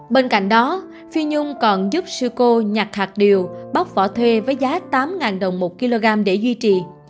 bên cạnh đó phi nhung còn giúp sư cô nhặt hạt điều bóc vỏ thuê với giá tám ngàn đồng một kg để duy trì